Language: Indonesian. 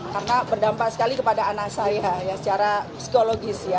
karena berdampak sekali kepada anak saya ya secara psikologis ya